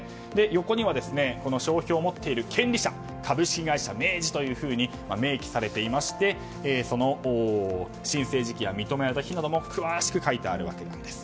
横には商標を持っている権利者株式会社明治と明記されていましてその申請時期や認められた日なども詳しく書いてあるんです。